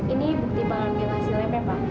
ini bukti pengambil hasilnya pak